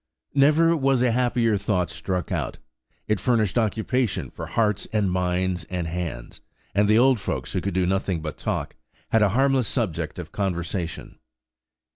Never was a happier thought struck out! It furnished occupation for hearts, and minds, and hands; and the old folks, who could do nothing but talk, had a harmless subject of conversation.